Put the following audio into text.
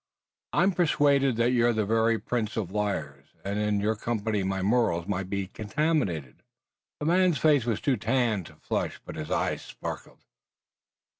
"I'm persuaded that you're the very prince of liars, and in your company my morals might be contaminated." The man's face was too tanned to flush, but his eyes sparkled.